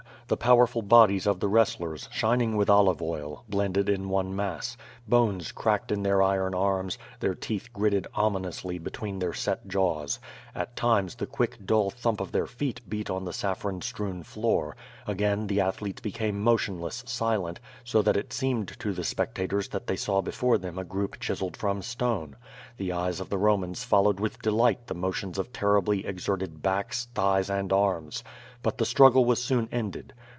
The powerful bodies of the wrestlers, shining with olive oil, blended in one mass; bones cracked in their iron arms, their teeth gritted ominously between their set jaws. At times the quick, dull thump of their feet beat on the saffron strewn floor; again, the athletes became mo tionless, silent, so that it seemed to the spectators that they saw before them a group chiseled from stone. The eyes of the Somans followed with delight the motions of terribly exerted backs, thighs and arms. But the struggle was soon ended.